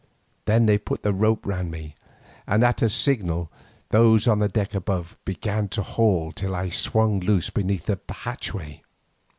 Then they put the rope round me and at a signal those on the deck above began to haul till I swung loose beneath the hatchway.